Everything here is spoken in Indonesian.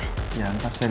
mau yang mana